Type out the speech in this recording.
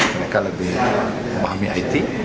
mereka lebih memahami it